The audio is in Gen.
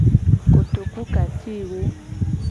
Kotoku ka ci wo.